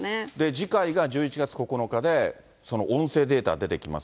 次回が１１月９日で、音声データ出てきます。